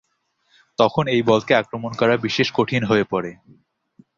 তখন এই বলকে আক্রমণ করা বিশেষ কঠিন হয়ে পড়ে।